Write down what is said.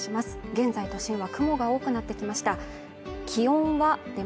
現在都心は雲が多くなってきました。